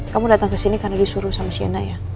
kamu datang kesini karena disuruh sama sienna ya